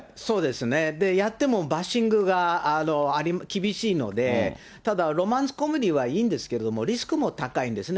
そうですね、やってもバッシングが厳しいので、ただ、ロマンスコメディーはいいんですけれども、リスクも高いんですね。